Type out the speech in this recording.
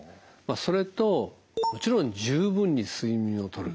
それともちろん十分に睡眠をとる。